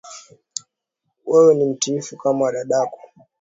Wewe ni mtiifu kama dadako